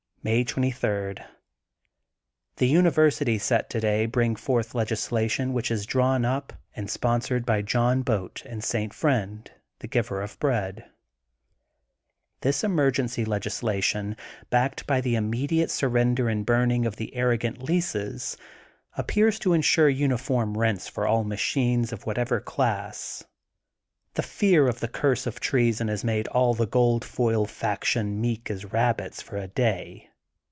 '* May 23: — ^The University set today bring forth legislation which is drawn up and spon sored by John Boat and St. Friend, the Giver of Bread. This emergency legislation, backed by fhe immediate surrender and burning of ihe arrogant leases, appears to insure uni form rents for all machines of whatever class. The fear of the curse of treason has made all fhe gold foil faction meek as rabbits for a day.